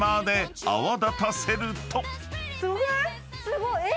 すごい！え